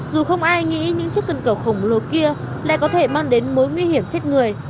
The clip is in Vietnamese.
dù không ai nghĩ những chiếc cân cờ khổng lồ kia lại có thể mang đến mối nguy hiểm chết người